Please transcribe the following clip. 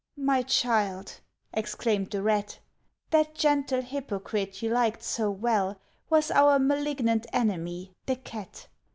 "My child," exclaimed the Rat, "That gentle hypocrite you liked so well, Was our malignant enemy the Cat.